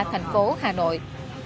thành phố hà nội